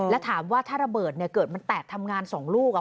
แล้วถามว่าถ้าระเบิดเนี่ยเกิดมันแตกทำงาน๒ลูก